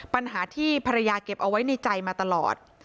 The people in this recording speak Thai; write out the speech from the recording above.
ปัญหาที่ภรรยาเก็บเอาไว้ในใจมาตลอด